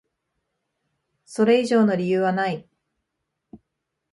それ以上の理由はない。